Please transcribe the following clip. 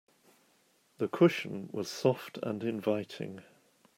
The cushion was soft and inviting.